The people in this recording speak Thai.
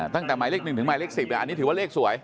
ตั้งแต่หมายเลข๑ถึงหมายเลข๑๐อันนี้ถือว่าเลขสวย